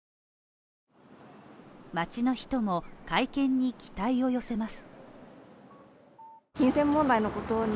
街の人も会見に期待を寄せます。